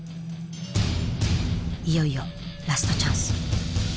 いよいよラストチャンス。